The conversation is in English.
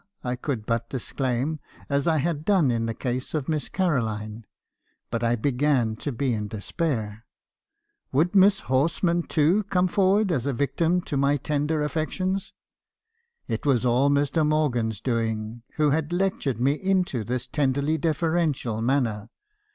I could but disclaim, as I had done in the case of Miss Caroline ; but I began to be in despair. Would Miss Horsman, too, come forward as a victim to my tender affections? It was all Mr. Morgan's doing, who had lectured me into this tenderly deferential manner.